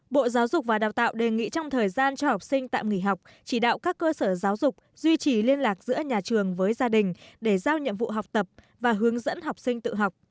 bộ giáo dục và đào tạo đề nghị trong thời gian cho học sinh tạm nghỉ học chỉ đạo các cơ sở giáo dục duy trì liên lạc giữa nhà trường với gia đình để giao nhiệm vụ học tập và hướng dẫn học sinh tự học